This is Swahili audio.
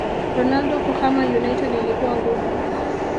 Ronaldo kuhama united ilikuwa ngumu